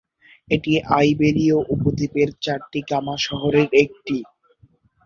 এটি আইবেরীয় উপদ্বীপের চারটি গামা শহরের একটি।